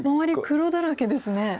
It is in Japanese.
黒だらけですね。